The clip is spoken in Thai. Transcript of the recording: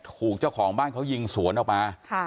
ถูกเจ้าของบ้านเขายิงสวนออกมา